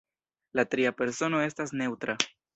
La tria persono estas neŭtra.